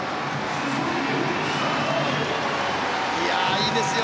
いいですよ。